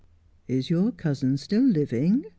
' Is your cousin still living ?